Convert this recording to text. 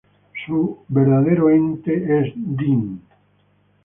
Su verdadero Ente es Dean.